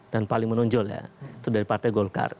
dan paling menonjol ya itu dari partai golkar